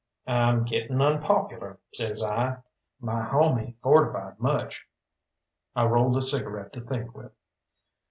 "I'm getting unpopular," says I. "My home ain't fortified much." I rolled a cigarette to think with.